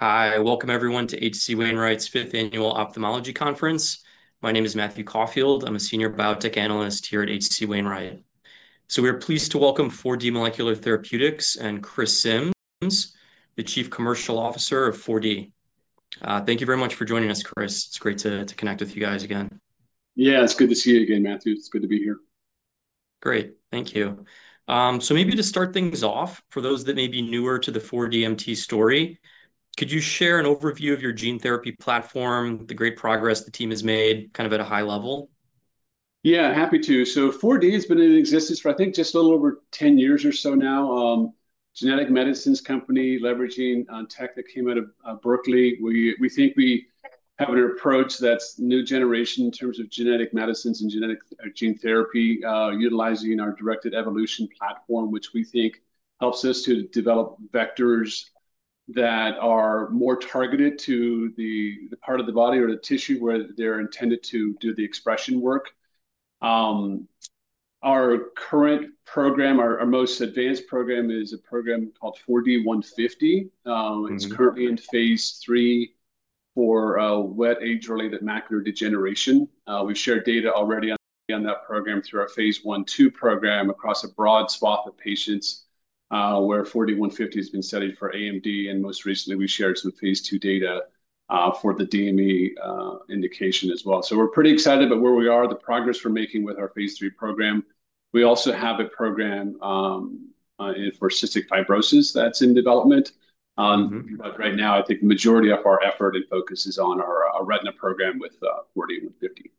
Hi, welcome everyone to H.C. Wainwright's Fifth Annual Ophthalmology Conference. My name is Matthew Caulfield, I'm a Senior Biotech Analyst here at H.C. Wainwright. We're pleased to welcome 4D Molecular Therapeutics and Chris Simms, the Chief Commercial Officer of 4D. Thank you very much for joining us, Chris. It's great to connect with you guys again. Yeah, it's good to see you again, Matthew. It's good to be here. Great, thank you. Maybe to start things off, for those that may be newer to the 4DMT story, could you share an overview of your gene therapy platform, the great progress the team has made, kind of at a high level? Yeah, happy to. 4D has been in existence for, I think, just a little over 10 years or so now. A genetic medicines company leveraging tech that came out of Berkeley. We think we have an approach that's new generation in terms of genetic medicines and gene therapy, utilizing our directed evolution platform, which we think helps us to develop vectors that are more targeted to the part of the body or the tissue where they're intended to do the expression work. Our current program, our most advanced program, is a program called 4D-150. It's currently in phase III for wet age-related macular degeneration. We shared data already on that program through our phase I/II program across a broad swath of patients, where 4D-150 has been studied for AMD, and most recently we shared some phase II data for the DME indication as well. We're pretty excited about where we are, the progress we're making with our phase III program. We also have a program for cystic fibrosis that's in development. Right now, I think the majority of our effort and focus is on our retina program with 4D-150.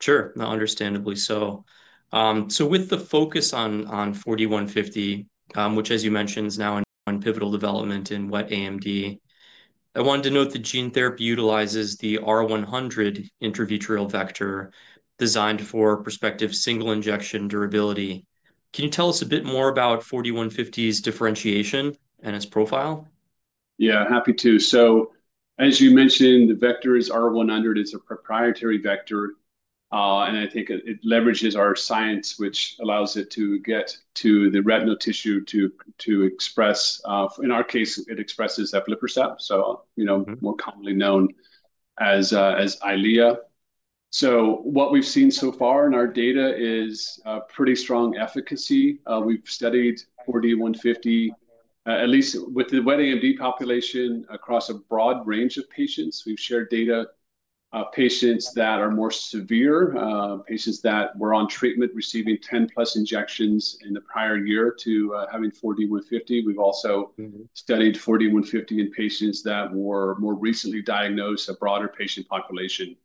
Sure, understandably so. With the focus on 4D-150, which as you mentioned is now in pivotal development in wet AMD, I wanted to note that gene therapy utilizes the R100 intravitreal vector designed for prospective single injection durability. Can you tell us a bit more about 4D-150's differentiation and its profile? Yeah, happy to. As you mentioned, the vector is R100, it's a proprietary vector, and I think it leverages our science, which allows it to get to the retinal tissue to express, in our case, it expresses aflibercept, more commonly known as Eylea. What we've seen so far in our data is a pretty strong efficacy. We've studied 4D-150, at least with the wet AMD population, across a broad range of patients. We've shared data on patients that are more severe, patients that were on treatment receiving 10+ injections in the prior year to having 4D-150. We've also studied 4D-150 in patients that were more recently diagnosed, a broader patient population.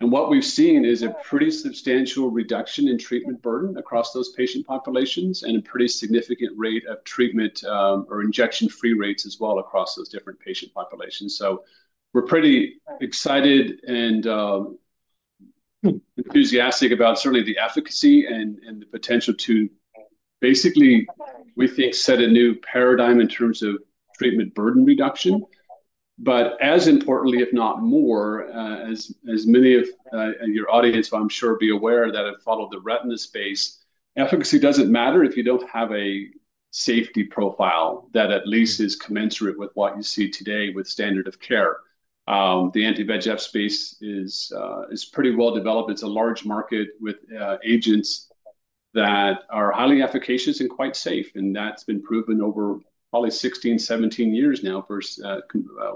What we've seen is a pretty substantial reduction in treatment burden across those patient populations and a pretty significant rate of treatment or injection-free rates as well across those different patient populations. We're pretty excited and enthusiastic about certainly the efficacy and the potential to basically, we think, set a new paradigm in terms of treatment burden reduction. As importantly, if not more, as many of your audience, I'm sure, will be aware that have followed the retina space, efficacy doesn't matter if you don't have a safety profile that at least is commensurate with what you see today with standard of care. The anti-VEGF space is pretty well developed. It's a large market with agents that are highly efficacious and quite safe, and that's been proven over probably 16, 17 years now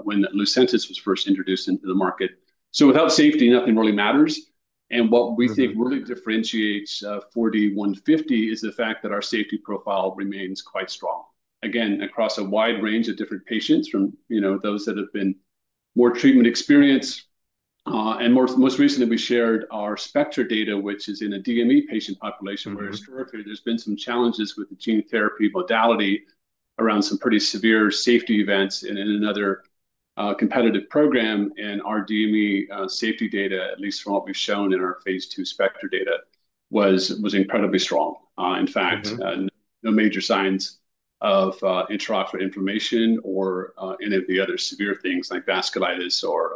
when Lucentis was first introduced into the market. Without safety, nothing really matters. What we think really differentiates 4D-150 is the fact that our safety profile remains quite strong, again, across a wide range of different patients from those that have been more treatment experienced. Most recently, we shared our SPECTRA data, which is in a DME patient population, where historically there's been some challenges with gene therapy modality around some pretty severe safety events in another competitive program. Our DME safety data, at least from what we've shown in our phase II SPECTRA data, was incredibly strong. In fact, no major signs of intraocular inflammation or any of the other severe things like vasculitis or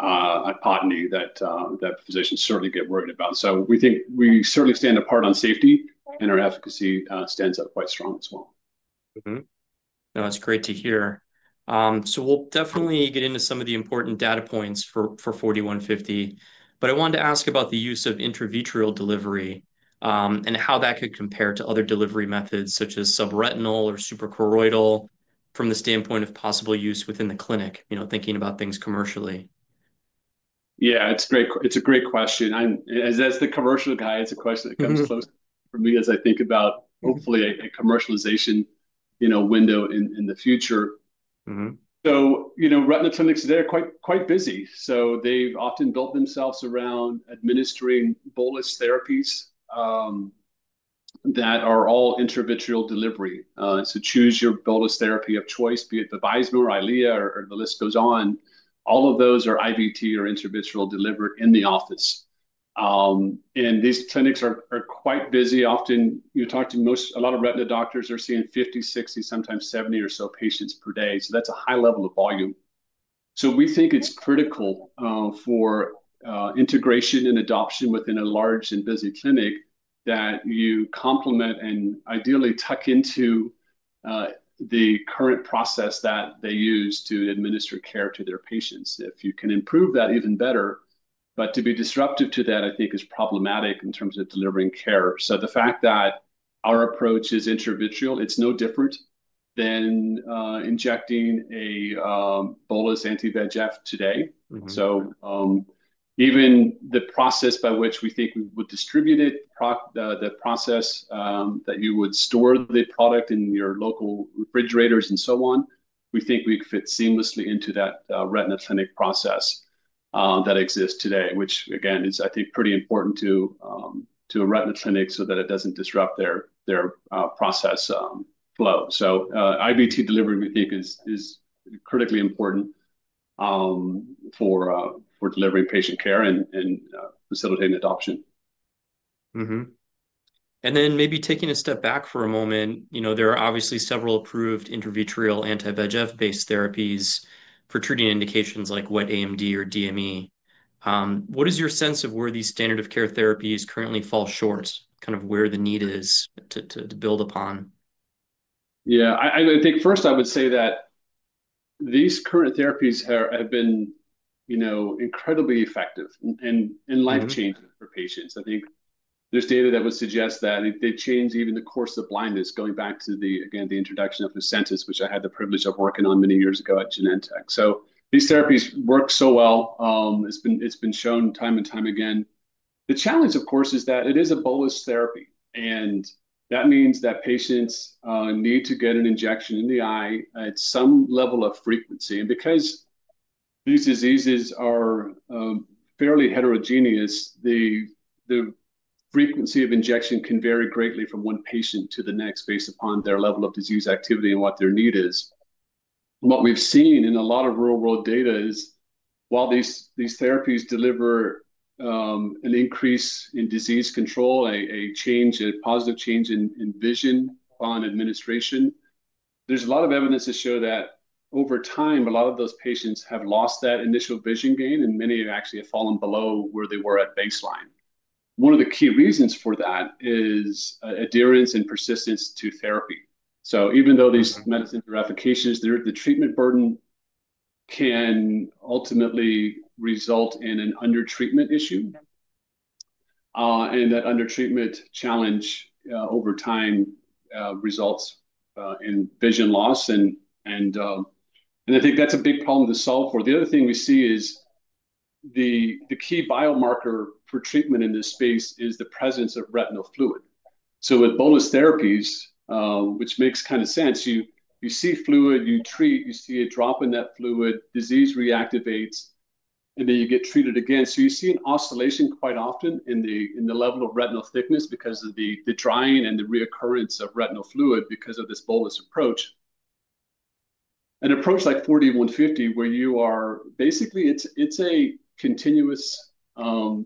hypotony that physicians certainly get worried about. We think we certainly stand apart on safety, and our efficacy stands up quite strong as well. That's great to hear. We'll definitely get into some of the important data points for 4D-150. I wanted to ask about the use of intravitreal delivery and how that could compare to other delivery methods such as subretinal or suprachoroidal from the standpoint of possible use within the clinic, you know, thinking about things commercially. Yeah, it's a great question. As the commercial guy, it's a question that comes close to me as I think about hopefully a commercialization window in the future. Retina clinics today are quite busy. They've often built themselves around administering bolus therapies that are all intravitreal delivery. Choose your bolus therapy of choice, be it VABYSMO or Eylea, or the list goes on. All of those are IVT or intravitreal delivery in the office. These clinics are quite busy. Often, you talk to most, a lot of retina doctors are seeing 50, 60, sometimes 70 or so patients per day. That's a high level of volume. We think it's critical for integration and adoption within a large and busy clinic that you complement and ideally tuck into the current process that they use to administer care to their patients. If you can improve that, even better, but to be disruptive to that, I think is problematic in terms of delivering care. The fact that our approach is intravitreal, it's no different than injecting a bolus anti-VEGF today. Even the process by which we think we would distribute it, the process that you would store the product in your local refrigerators and so on, we think we fit seamlessly into that retina clinic process that exists today, which again is, I think, pretty important to a retina clinic so that it doesn't disrupt their process flow. IVT delivery, we think, is critically important for delivering patient care and facilitating adoption. Maybe taking a step back for a moment, you know, there are obviously several approved intravitreal anti-VEGF-based therapies for treating indications like wet AMD or DME. What is your sense of where these standard of care therapies currently fall short, kind of where the need is to build upon? Yeah, I think first I would say that these current therapies have been incredibly effective and life-changing for patients. I think there's data that would suggest that they change even the course of blindness, going back to the introduction of Lucentis, which I had the privilege of working on many years ago at Genentech. These therapies work so well. It's been shown time and time again. The challenge, of course, is that it is a bolus therapy. That means that patients need to get an injection in the eye at some level of frequency. Because these diseases are fairly heterogeneous, the frequency of injection can vary greatly from one patient to the next based upon their level of disease activity and what their need is. What we've seen in a lot of real-world data is while these therapies deliver an increase in disease control, a positive change in vision upon administration, there's a lot of evidence to show that over time, a lot of those patients have lost that initial vision gain, and many actually have fallen below where they were at baseline. One of the key reasons for that is adherence and persistence to therapy. Even though these medicines are efficacious, the treatment burden can ultimately result in an under-treatment issue. That under-treatment challenge over time results in vision loss. I think that's a big problem to solve for. The other thing we see is the key biomarker for treatment in this space is the presence of retinal fluid. With bolus therapies, which makes kind of sense, you see fluid, you treat, you see a drop in that fluid, disease reactivates, and then you get treated again. You see an oscillation quite often in the level of retinal thickness because of the drying and the reoccurrence of retinal fluid because of this bolus approach. An approach like 4D-150, where you are basically, it's a continuous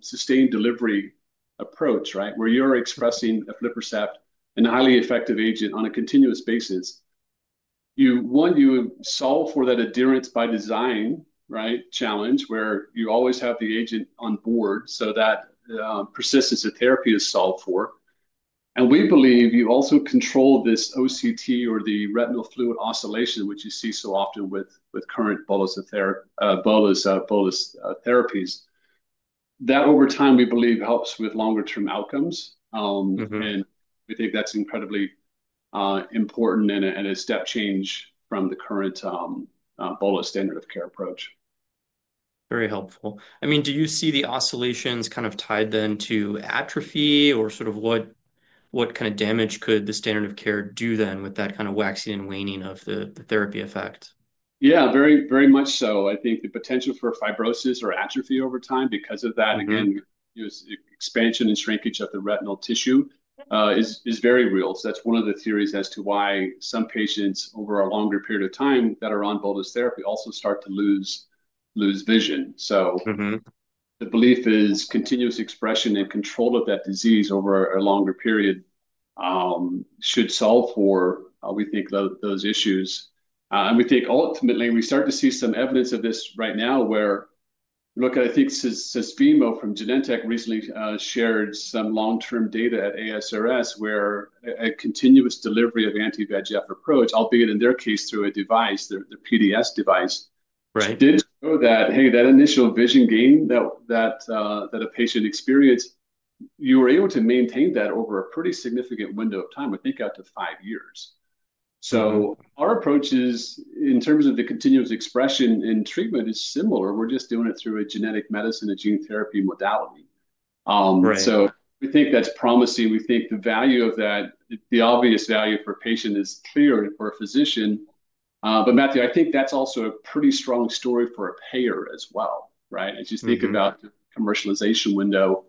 sustained delivery approach, right? Where you're expressing aflibercept, a highly effective agent on a continuous basis. One, you solve for that adherence by design, right? Challenge, where you always have the agent on board so that persistence of therapy is solved for. We believe you also control this OCT or the retinal fluid oscillation, which you see so often with current bolus therapies. That over time, we believe, helps with longer-term outcomes. We think that's incredibly important and a step change from the current bolus standard of care approach. Very helpful. Do you see the oscillations kind of tied then to atrophy, or what kind of damage could the standard of care do then with that kind of waxing and waning of the therapy effect? Yeah, very much so. I think the potential for fibrosis or atrophy over time because of that, again, expansion and shrinkage of the retinal tissue is very real. That's one of the theories as to why some patients over a longer period of time that are on bolus therapy also start to lose vision. The belief is continuous expression and control of that disease over a longer period should solve for, we think, those issues. We think ultimately, we start to see some evidence of this right now where, look, I think SUSVIMO from Genentech recently shared some long-term data at ASRS where a continuous delivery of anti-VEGF approach, albeit in their case through a device, the PDS device, did show that, hey, that initial vision gain that a patient experienced, you were able to maintain that over a pretty significant window of time, I think up to five years. Our approach is, in terms of the continuous expression and treatment, is similar. We're just doing it through a genetic medicine, a gene therapy modality. We think that's promising. We think the value of that, the obvious value for a patient is clear for a physician. Matthew, I think that's also a pretty strong story for a payer as well, right? As you think about the commercialization window,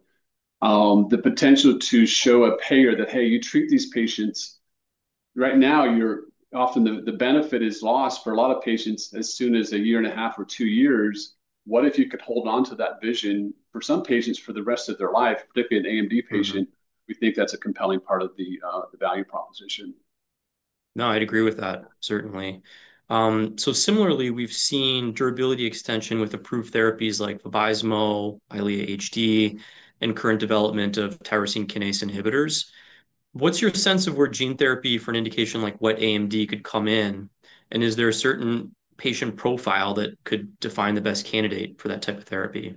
the potential to show a payer that, hey, you treat these patients, right now you're often the benefit is lost for a lot of patients as soon as a year and a half or two years. What if you could hold on to that vision for some patients for the rest of their life, particularly an AMD patient? We think that's a compelling part of the value proposition. No, I'd agree with that, certainly. Similarly, we've seen durability extension with approved therapies like Vabysmo, Eylea HD, and current development of tyrosine kinase inhibitors. What's your sense of where gene therapy for an indication like wet AMD could come in? Is there a certain patient profile that could define the best candidate for that type of therapy?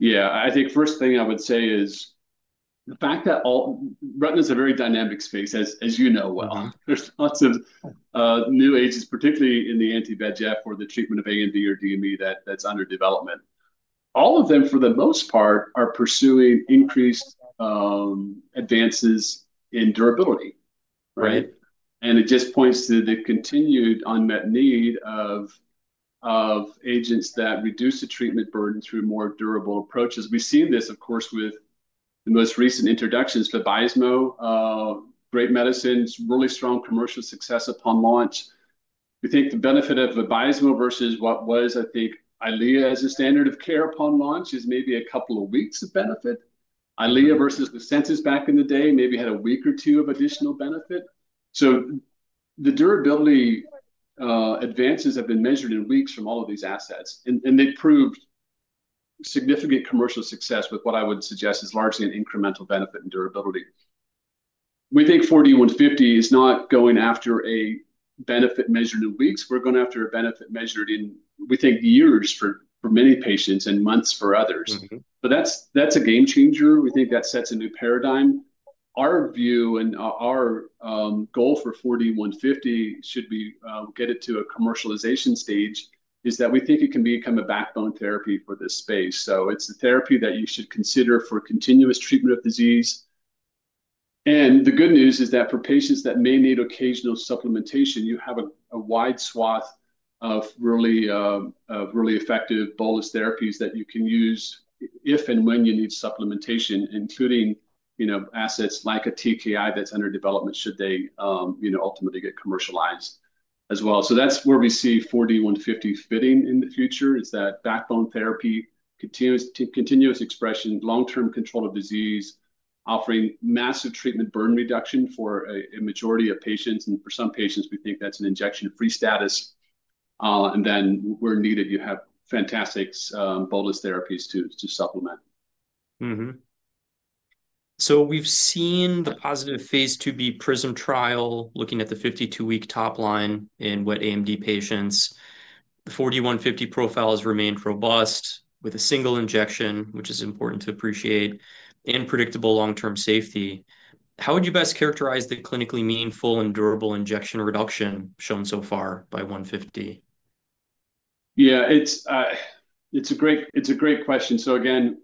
Yeah, I think first thing I would say is the fact that retina is a very dynamic space, as you know well. There's lots of new agents, particularly in the anti-VEGF or the treatment of AMD or DME that's under development. All of them, for the most part, are pursuing increased advances in durability. It just points to the continued unmet need of agents that reduce the treatment burden through more durable approaches. We've seen this, of course, with the most recent introductions, Vabysmo, great medicines, really strong commercial success upon launch. We think the benefit of Vabysmo versus what was, I think, Eylea as a standard of care upon launch is maybe a couple of weeks of benefit. Eylea versus Lucentis back in the day maybe had a week or two of additional benefit. The durability advances have been measured in weeks from all of these assets. They've proved significant commercial success with what I would suggest is largely an incremental benefit in durability. We think 4D-150 is not going after a benefit measured in weeks. We're going after a benefit measured in, we think, years for many patients and months for others. That's a game changer. We think that sets a new paradigm. Our view and our goal for 4D-150 should be to get it to a commercialization stage is that we think it can become a backbone therapy for this space. It's the therapy that you should consider for continuous treatment of disease. The good news is that for patients that may need occasional supplementation, you have a wide swath of really effective bolus therapies that you can use if and when you need supplementation, including, you know, assets like a TKI that's under development should they, you know, ultimately get commercialized as well. That's where we see 4D-150 fitting in the future is that backbone therapy, continuous expression, long-term control of disease, offering massive treatment burden reduction for a majority of patients. For some patients, we think that's an injection-free status. Where needed, you have fantastic bolus therapies to supplement. We've seen the positive phase II-B PRISM trial, looking at the 52-week top line in wet AMD patients. The 4D-150 profile has remained robust with a single injection, which is important to appreciate, and predictable long-term safety. How would you best characterize the clinically meaningful and durable injection reduction shown so far by 150? Yeah, it's a great question. Again,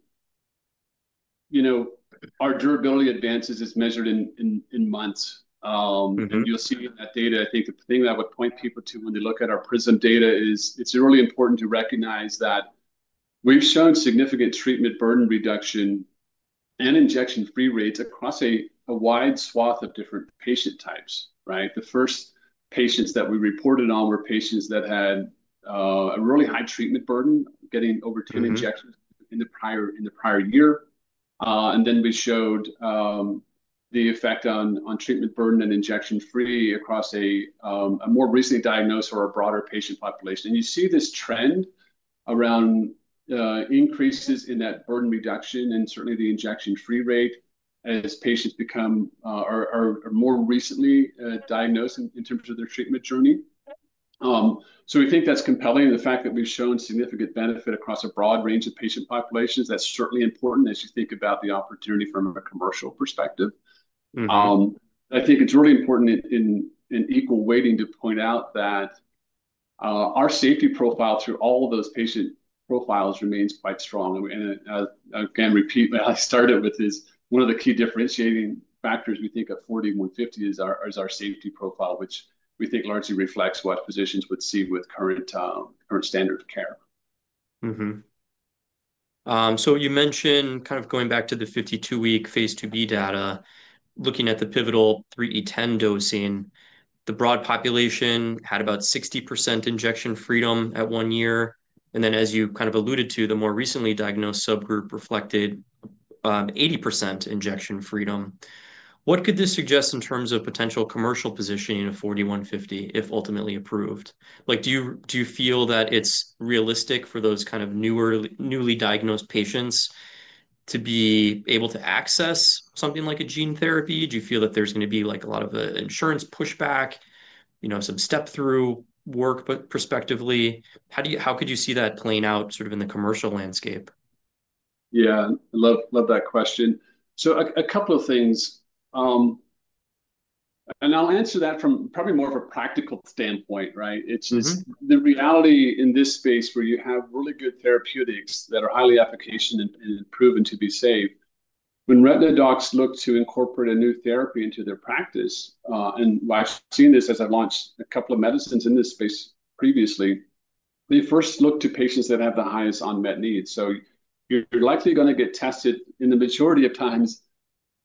our durability advances are measured in months. You'll see in that data, I think the thing that I would point people to when they look at our PRISM data is it's really important to recognize that we've shown significant treatment burden reduction and injection-free rates across a wide swath of different patient types, right? The first patients that we reported on were patients that had a really high treatment burden, getting over 10 injections in the prior year. We showed the effect on treatment burden and injection-free across a more recently diagnosed or a broader patient population. You see this trend around increases in that burden reduction and certainly the injection-free rate as patients become more recently diagnosed in terms of their treatment journey. We think that's compelling. The fact that we've shown significant benefit across a broad range of patient populations, that's certainly important as you think about the opportunity from a commercial perspective. I think it's really important in equal weighting to point out that our safety profile through all of those patient profiles remains quite strong. Again, repeat what I started with is one of the key differentiating factors we think of 4D-150 is our safety profile, which we think largely reflects what physicians would see with current standard of care. You mentioned kind of going back to the 52-week phase II-B data, looking at the pivotal 3E10 dosing, the broad population had about 60% injection freedom at one year. As you kind of alluded to, the more recently diagnosed subgroup reflected 80% injection freedom. What could this suggest in terms of potential commercial positioning of 4D-150 if ultimately approved? Do you feel that it's realistic for those kind of newly diagnosed patients to be able to access something like a gene therapy? Do you feel that there's going to be a lot of insurance pushback, some step-through work, but prospectively? How could you see that playing out in the commercial landscape? Yeah, I love that question. A couple of things. I'll answer that from probably more of a practical standpoint, right? It's the reality in this space where you have really good therapeutics that are highly efficacious and proven to be safe. When retina docs look to incorporate a new therapy into their practice, and I've seen this as I've launched a couple of medicines in this space previously, they first look to patients that have the highest unmet needs. You're likely going to get tested in the majority of times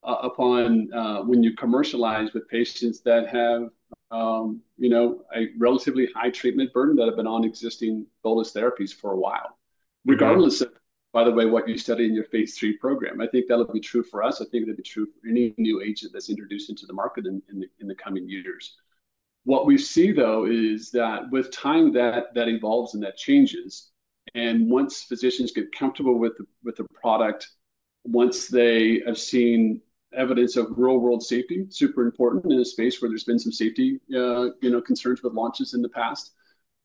when you commercialize with patients that have a relatively high treatment burden that have been on existing bolus therapies for a while. Regardless of, by the way, what you study in your phase III program. I think that'll be true for us. I think it'll be true for any new agent that's introduced into the market in the coming years. What we see, though, is that with time that evolves and that changes, and once physicians get comfortable with the product, once they have seen evidence of real-world safety, super important in a space where there's been some safety concerns with launches in the past.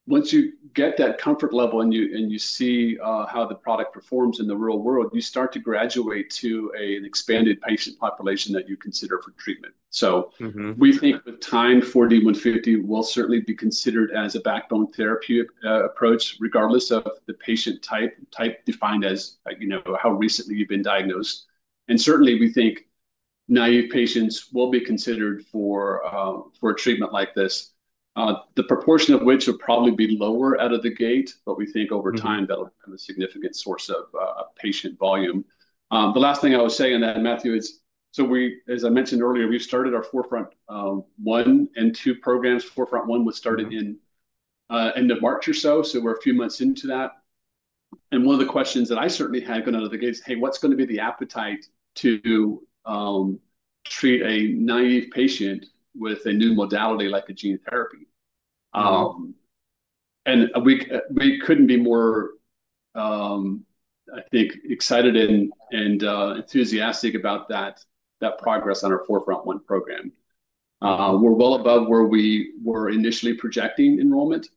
Once you get that comfort level and you see how the product performs in the real world, you start to graduate to an expanded patient population that you consider for treatment. We think with time, 4D-150 will certainly be considered as a backbone therapeutic approach, regardless of the patient type, type defined as how recently you've been diagnosed. We think naive patients will be considered for treatment like this, the proportion of which will probably be lower out of the gate, but we think over time that'll have a significant source of patient volume. The last thing I would say on that, Matthew, is, as I mentioned earlier, we've started our 4FRONT-1 and 4FRONT-2 programs. 4FRONT-1 was started in the end of March or so, so we're a few months into that. One of the questions that I certainly had going out of the gate is, hey, what's going to be the appetite to treat a naive patient with a new modality like a gene therapy? We couldn't be more, I think, excited and enthusiastic about that progress on our 4FRONT-1 program. We're well above where we were initially projecting enrollment.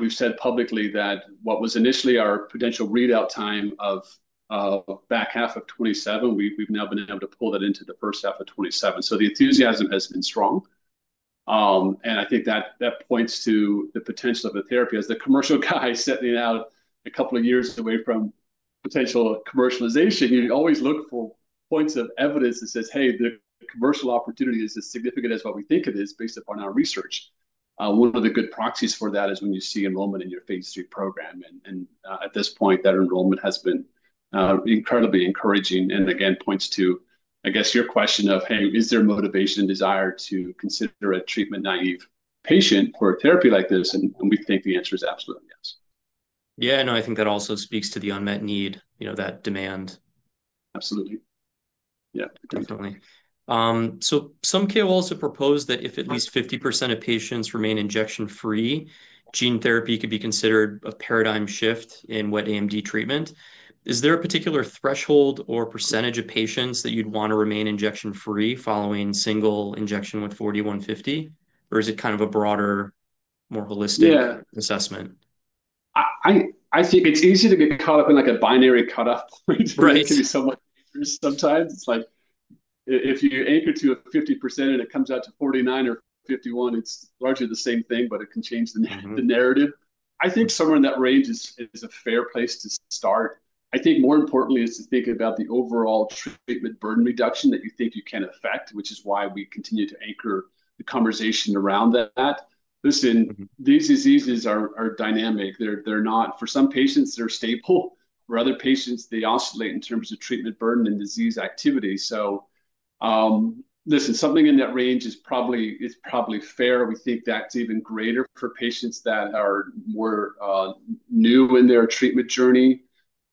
We've said publicly that what was initially our potential readout time of back half of 2027, we've now been able to pull that into the first half of 2027. The enthusiasm has been strong. I think that points to the potential of a therapy. As the Commercial Guy is setting it out a couple of years away from potential commercialization, you always look for points of evidence that say, hey, the commercial opportunity is as significant as what we think it is based upon our research. One of the good proxies for that is when you see enrollment in your phase III program. At this point, that enrollment has been incredibly encouraging. Again, it points to, I guess, your question of, hey, is there motivation and desire to consider a treatment-naive patient for a therapy like this? We think the answer is absolutely yes. I think that also speaks to the unmet need, you know, that demand. Absolutely. Yeah. Definitely. Some KOLs have proposed that if at least 50% of patients remain injection-free, gene therapy could be considered a paradigm shift in wet AMD treatment. Is there a particular threshold or percentage of patients that you'd want to remain injection-free following single injection with 4D-150, or is it kind of a broader, more holistic assessment? I think it's easy to get caught up in like a binary cutoff. It can be somewhat confusing sometimes. It's like if you anchor to a 50% and it comes out to 49% or 51%, it's largely the same thing, but it can change the narrative. I think somewhere in that range is a fair place to start. I think more importantly is to think about the overall treatment burden reduction that you think you can affect, which is why we continue to anchor the conversation around that. Listen, these diseases are dynamic. For some patients, they're stable. For other patients, they oscillate in terms of treatment burden and disease activity. Something in that range is probably fair. We think that's even greater for patients that are more new in their treatment journey.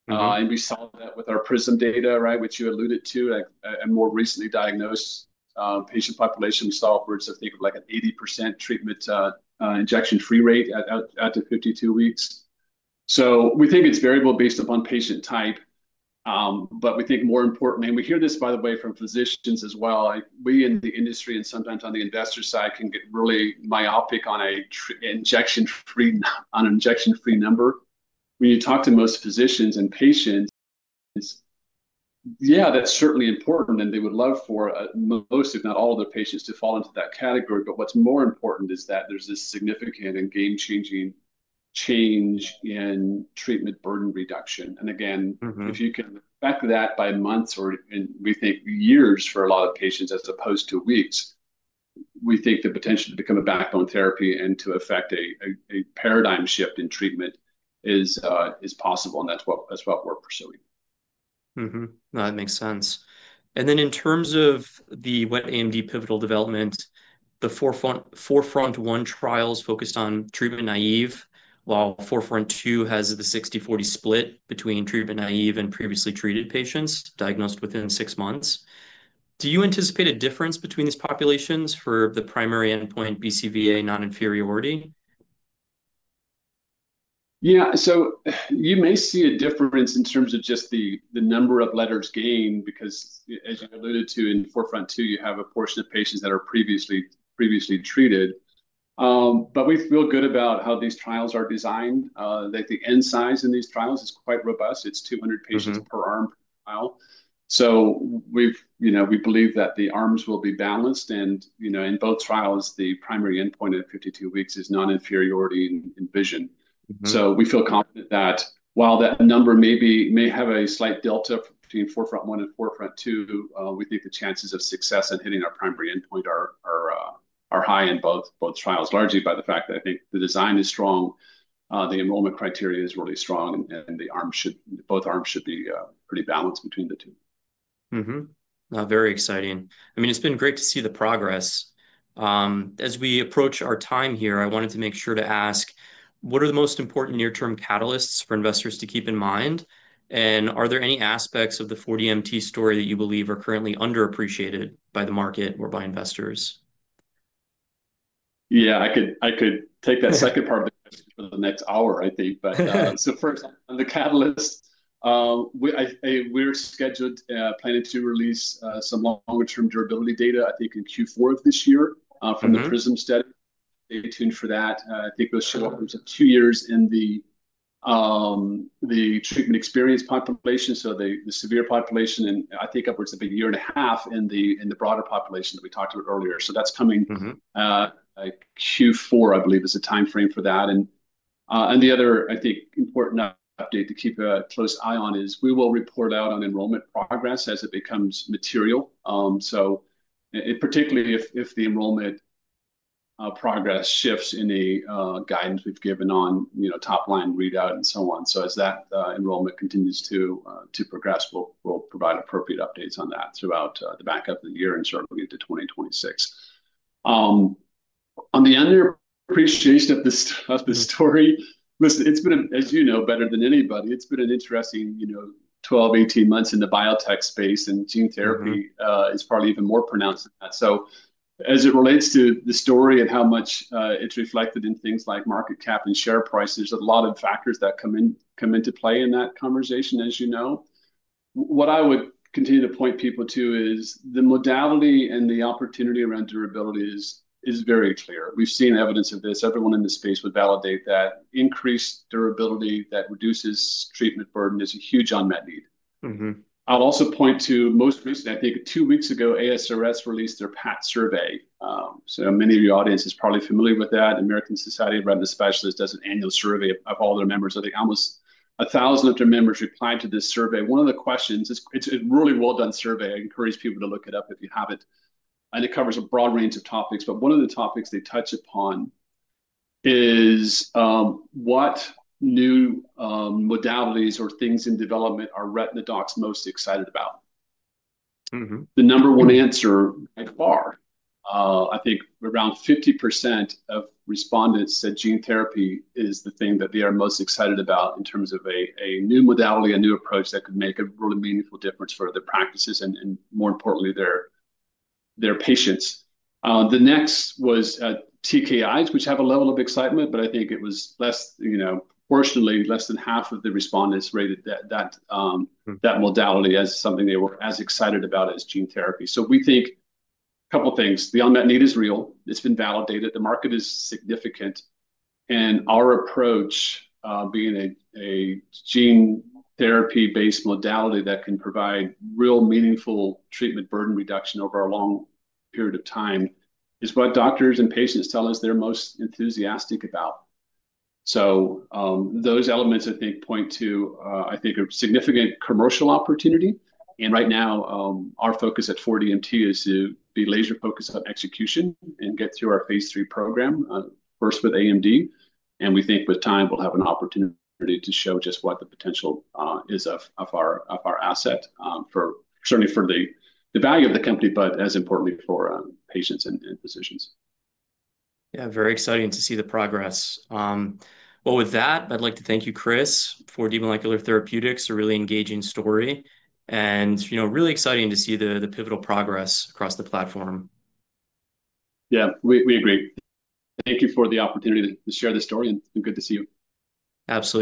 We saw that with our PRISM data, right, which you alluded to, a more recently diagnosed patient population saw upwards, I think, of like an 80% treatment injection-free rate out to 52 weeks. We think it's variable based upon patient type. We think more importantly, and we hear this, by the way, from physicians as well, we in the industry and sometimes on the investor side can get really myopic on an injection-free number. When you talk to most physicians and patients, yeah, that's certainly important. They would love for most, if not all, of their patients to fall into that category. What's more important is that there's a significant and game-changing change in treatment burden reduction. If you can affect that by months or, and we think, years for a lot of patients as opposed to weeks, we think the potential to become a backbone therapy and to affect a paradigm shift in treatment is possible. That's what we're pursuing. That makes sense. In terms of the wet AMD pivotal development, the 4FRONT-1 trials focused on treatment-naive, while 4FRONT-2 has the 60/40 split between treatment-naive and previously treated patients diagnosed within six months. Do you anticipate a difference between these populations for the primary endpoint BCVA non-inferiority? You may see a difference in terms of just the number of letters gained because, as you alluded to, in 4FRONT-2, you have a portion of patients that are previously treated. We feel good about how these trials are designed. The end size in these trials is quite robust. It's 200 patients per arm per trial. We believe that the arms will be balanced. In both trials, the primary endpoint at 52 weeks is non-inferiority in vision. We feel confident that while that number may have a slight delta between4FRONT-1 and 4FRONT-2, we think the chances of success in hitting our primary endpoint are high in both trials, largely by the fact that I think the design is strong, the enrollment criteria is really strong, and both arms should be pretty balanced between the two. Very exciting. I mean, it's been great to see the progress. As we approach our time here, I wanted to make sure to ask what are the most important near-term catalysts for investors to keep in mind? Are there any aspects of the 4DMT story that you believe are currently underappreciated by the market or by investors? Yeah, I could take that second part of the question for the next hour, I think. First, on the catalysts, we're scheduled, planning to release some longer-term durability data, I think, in Q4 of this year from the PRISM study. Stay tuned for that. I think those short terms are two years in the treatment experience population, so the severe population, and I think upwards of a year and a half in the broader population that we talked about earlier. That's coming Q4, I believe, is the timeframe for that. The other, I think, important update to keep a close eye on is we will report out on enrollment progress as it becomes material, particularly if the enrollment progress shifts in the guidance we've given on top line readout and so on. As that enrollment continues to progress, we'll provide appropriate updates on that throughout the back of the year and certainly into 2026. On the other appreciation of the story, listen, it's been, as you know, better than anybody. It's been an interesting 12 months, 18 months in the biotech space, and gene therapy is probably even more pronounced than that. As it relates to the story and how much it's reflected in things like market cap and share price, there's a lot of factors that come into play in that conversation, as you know. What I would continue to point people to is the modality and the opportunity around durability is very clear. We've seen evidence of this. Everyone in this space would validate that increased durability that reduces treatment burden is a huge unmet need. I'll also point to most recent, I think two weeks ago, ASRS released their PAT survey. Many of your audience is probably familiar with that. American Society of Retina Specialists does an annual survey of all their members. I think almost 1,000na of their members replied to this survey. One of the questions, it's a really well-done survey. I encourage people to look it up if you haven't. It covers a broad range of topics. One of the topics they touch upon is what new modalities or things in development are retina docs most excited about. The number one answer by far, I think around 50% of respondents said gene therapy is the thing that they are most excited about in terms of a new modality, a new approach that could make a really meaningful difference for their practices and more importantly, their patients. The next was TKIs, which have a level of excitement, but I think it was less, you know, proportionately less than half of the respondents rated that modality as something they were as excited about as gene therapy. We think a couple of things. The unmet need is real. It's been validated. The market is significant. Our approach, being a gene therapy-based modality that can provide real meaningful treatment burden reduction over a long period of time, is what doctors and patients tell us they're most enthusiastic about. Those elements, I think, point to a significant commercial opportunity. Right now, our focus at 4DMT is to be laser focused on execution and get through our phase three program, first with AMD. We think with time, we'll have an opportunity to show just what the potential is of our asset, certainly for the value of the company, but as importantly for patients and physicians. Yeah, very exciting to see the progress. I'd like to thank you, Chris, for 4D Molecular Therapeutics, a really engaging story. You know, really exciting to see the pivotal progress across the platform. Yeah, we agree. Thank you for the opportunity to share this story, and good to see you. Absolutely.